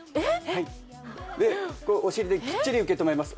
はいでお尻できっちり受け止めます